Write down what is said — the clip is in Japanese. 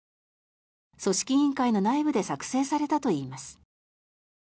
組織委員会の内部で作成されたといいます。